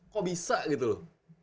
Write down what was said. kok bisa gitu loh